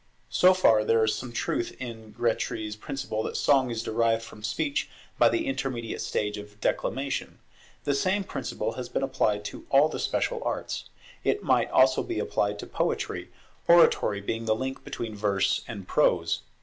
So far there is some truth in Grétry's principle that song is derived from speech by the intermediate stage of declamation. The same principle has been applied to all the special arts; it might also be applied to Poetry, oratory being the link between verse and prose.